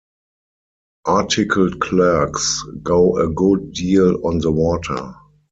Articled clerks go a good deal on the water.